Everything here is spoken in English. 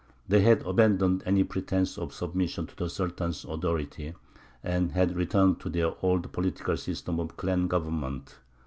They had abandoned any pretence of submission to the Sultan's authority, and had returned to their old political system of clan government.